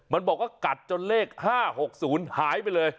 มันบอกว่ากัดจนเลข๕๖๐หายไปเลย